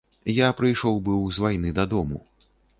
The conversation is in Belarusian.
Я прыйшоў быў з вайны дадому.